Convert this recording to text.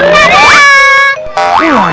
terus bagaimana ini